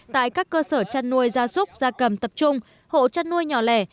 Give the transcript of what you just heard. tại các cơ sở chăn nuôi gia súc gia cầm tập trung hộ chăn nuôi nhỏ lẻ